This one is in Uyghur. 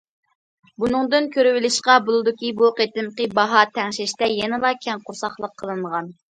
بۇنىڭدىن كۆرۈۋېلىشقا بولىدۇكى، بۇ قېتىمقى باھا تەڭشەشتە يەنىلا كەڭ قورساقلىق قىلىنغان.